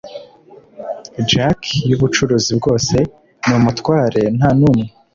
jack yubucuruzi bwose ni umutware ntanumwe.